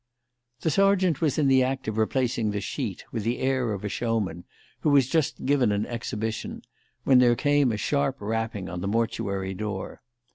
The sergeant was in the act of replacing the sheet, with the air of a showman who has just given an exhibition, when there came a sharp rapping on the mortuary door.